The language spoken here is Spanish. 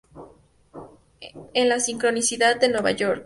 Es la sincronicidad de Nueva York.